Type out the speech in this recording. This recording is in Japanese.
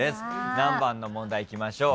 何番の問題いきましょう？